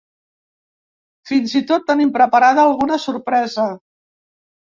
Fins i tot tenim preparada alguna sorpresa.